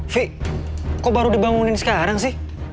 fi kok baru dibangunin sekarang sih